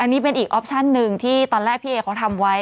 อันนี้เป็นอีกออปชั่นหนึ่งที่ตอนแรกพี่เอเขาทำไว้